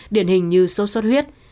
điển hình như sốt suất huyết